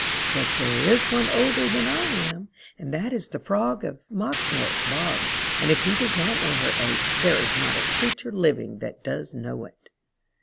But there is one older than I am, and that is the Frog of Mochno Bog, and if he does not know her age, there is not a creature living that does know it."